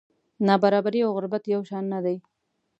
نابرابري او غربت یو شان نه دي.